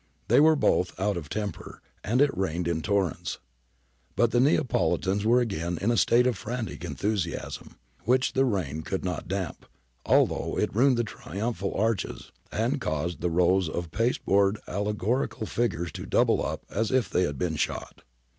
They were both out of temper, and it rained in torrents. But the Neapolitans were again in a state of frantic enthusiasm, which the rain could not damp, although it ruined the triumphal arches and caused the rows of paste board allegorical figures to double up as if they had been shot.